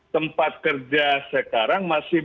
tempat kerja sekarang masih